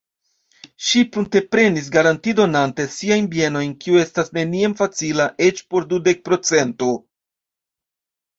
Ŝi prunteprenis garantidonante siajn bienojn, kio estas neniam facila eĉ por dudek pro cento.